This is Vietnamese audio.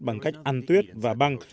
bằng cách ăn tuyết và băng